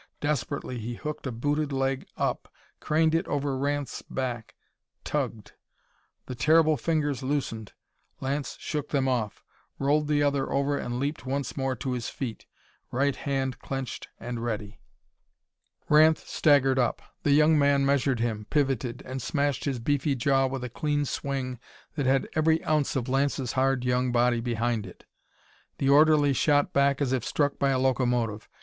Desperately he hooked a booted leg up, craned it over Ranth's back, tugged. The terrible fingers loosened. Lance shook them off, rolled the other over and leaped once more to his feet, right hand clenched and ready. Ranth staggered up. The young man measured him, pivoted, and smashed his beefy jaw with a clean swing that had every ounce of Lance's hard young body behind it. The orderly shot back as if struck by a locomotive.